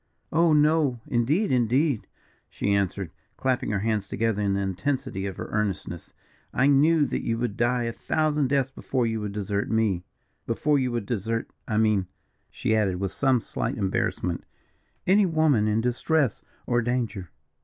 "Oh! no, indeed indeed!" she answered, clapping her hands together in the intensity of her earnestness; "I knew that you would die a thousand deaths before you would desert me before you would desert, I mean," she added, with some slight embarrassment, "any woman in distress or danger."